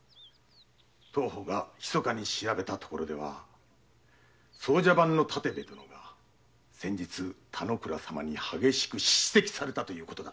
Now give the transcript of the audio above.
当方が密かに調べたところでは奏者番の建部殿が先日田之倉様に激しく叱責されたということだ。